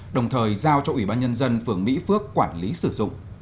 đồng thời giao cho ủy ban nhân dân phường mỹ phước quản lý sử dụng